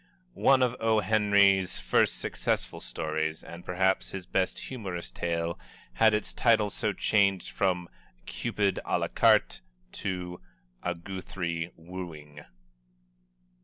One of O. Henry's first successful stories, and perhaps his best humorous tale, had its title so changed from "Cupid Ă la carte," to "A Guthrie Wooing."